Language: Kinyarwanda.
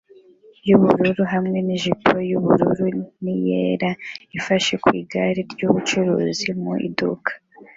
yubururu hamwe nijipo yubururu niyera ifashe ku igare ryubucuruzi mu iduka